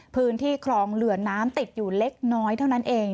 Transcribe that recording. พื้นที่คลองเหลือน้ำติดอยู่เล็กน้อยเท่านั้นเอง